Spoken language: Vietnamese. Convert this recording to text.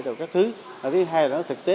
rồi các thứ thứ hai là nó thực tế